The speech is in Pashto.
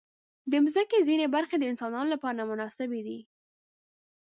د مځکې ځینې برخې د انسانانو لپاره نامناسبې دي.